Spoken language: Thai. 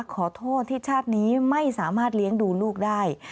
ขอโทษที่ชาตินี้ไม่สามารถเลี้ยงดูลูกได้